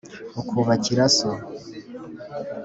ukubakira so.